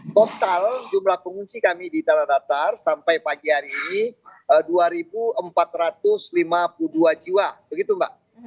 total jumlah pengungsi kami di tanah datar sampai pagi hari ini dua empat ratus lima puluh dua jiwa begitu mbak